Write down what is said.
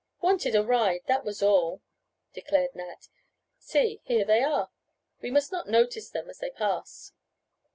"Wanted a ride, that was all," declared Nat. "See, here they are. We must not notice them as they pass!"